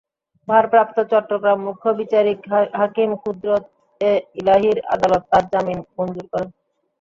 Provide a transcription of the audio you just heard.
ভারপ্রাপ্ত চট্টগ্রাম মুখ্য বিচারিক হাকিম কুদরত-এ-ইলাহীর আদালত তাঁর জামিন মঞ্জুর করেন।